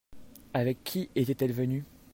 Avec qui était-elle venu ?